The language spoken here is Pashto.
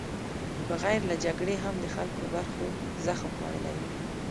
بغیر له جګړې هم د خلکو برخو زخم خوړلی وي.